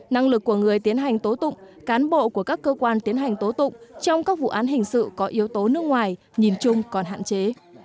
năng lực của người tiến hành tố tụng cán bộ của các cơ quan tiến hành tố tụng trong các vụ án hình sự có yếu tố nước ngoài nhìn chung còn hạn chế